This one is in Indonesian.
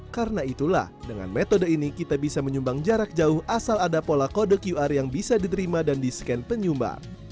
karena itulah dengan metode ini kita bisa menyumbang jarak jauh asal ada pola kode qr yang bisa diterima dan di scan penyumbang